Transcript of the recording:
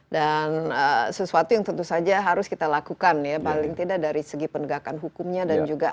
dan sesuatu yang tentu saja harus kita lakukan ya paling tidak dari segi penegakan hukumnya dan juga apa yang kita lakukan